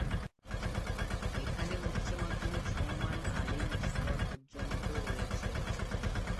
এখানে উচ্চ মাধ্যমিক সমমান আলিম স্তর পর্যন্ত রয়েছে।